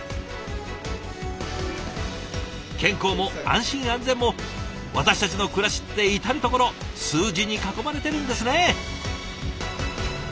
健康も安心安全も私たちの暮らしって至る所数字に囲まれてるんですね。